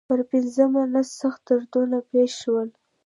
پر پنځلسمه نس سخت دردونه پېښ شول.